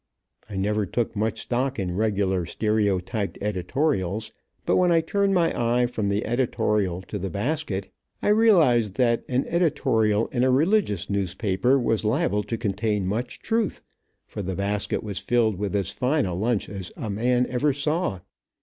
I never took much stock in regular stereotyped editorials, but when I turned my eye from the editorial to the basket, I realized than an editorial in a religious newspaper, was liable to contain much truth, for the basket was filled with as fine a lunch as a man ever saw.